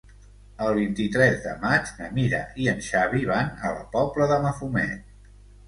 El vint-i-tres de maig na Mira i en Xavi van a la Pobla de Mafumet.